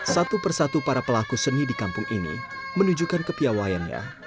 satu persatu para pelaku seni di kampung ini menunjukkan kepiawayannya